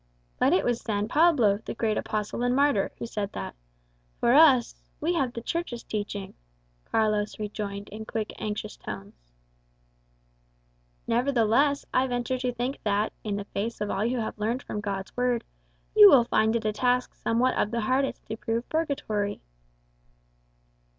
'" "But it was San Pablo, the great apostle and martyr, who said that. For us, we have the Church's teaching," Carlos rejoined in quick, anxious tones. "Nevertheless, I venture to think that, in the face of all you have learned from God's Word, you will find it a task somewhat of the hardest to prove purgatory."